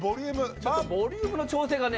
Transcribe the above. ちょっとボリュームの調整がね